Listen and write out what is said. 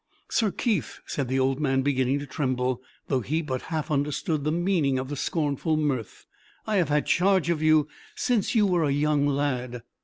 "Sir Keith," said the old man, beginning to tremble, though he but half understood the meaning of the scornful mirth, "I have had charge of you since you were a young lad."